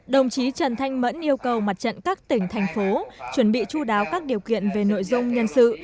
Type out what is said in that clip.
đồng chí trần thanh mẫn yêu cầu mặt trận các tỉnh thành phố chuẩn bị chú đáo các điều kiện về nội dung nhân sự